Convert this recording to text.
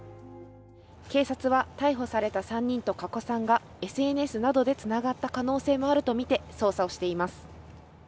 警察は逮捕された３人と加古さんがＳＮＳなどでつながった可能性もあるとみて捜査をしています。